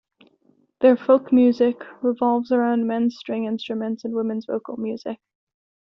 Their folk music revolves around men's string instruments and women's vocal music.